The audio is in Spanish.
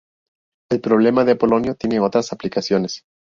El problema de Apolonio tiene otras aplicaciones.